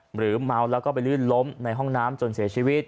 เมาแล้วก็ไปลื่นล้มในห้องน้ำจนเสียชีวิต